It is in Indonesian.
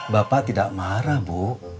bapak tidak marah bu